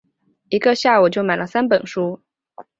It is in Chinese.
一个下午就买了三本书